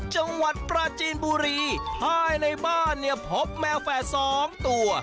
จังหวัดปราจีนบุรีภายในบ้านเนี่ยพบแมวแฝดสองตัว